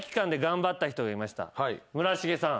村重さん。